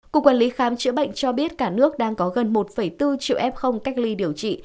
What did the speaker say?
cụ quản lý khám chữa bệnh cho biết cả nước đang có gần một bốn triệu f cách ly điều trị